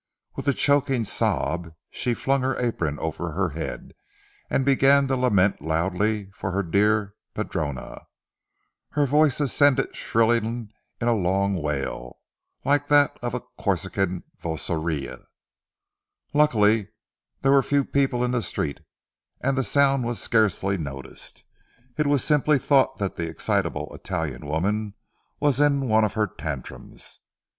With a choking sob, she flung her apron over her head, and began to lament loudly for her dear padrona. Her voice ascended shrilling in a long wail, like that of the Corsican vocieri. Luckily there were few people in the street, and the sound was scarcely noticed; it was simply thought that the excitable Italian woman was in one of her tantrums.